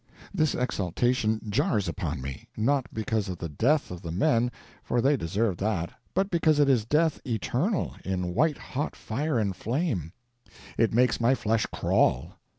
This exaltation jars upon me; not because of the death of the men, for they deserved that, but because it is death eternal, in white hot fire and flame. It makes my flesh crawl.